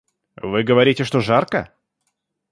Вы говорите, что жарко?